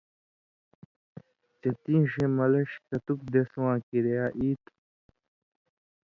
چےۡ تیں ݜَیں ملݜیۡ کتُک دیس واں کریا ای تھو؟